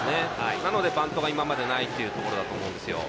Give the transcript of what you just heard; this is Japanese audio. なのでバントが今までないということだと思うんですよ。